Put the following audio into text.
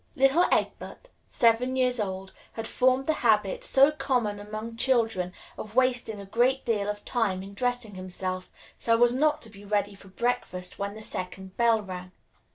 Little Egbert, seven years old, had formed the habit so common among children of wasting a great deal of time in dressing himself, so as not to be ready for breakfast when the second bell rang.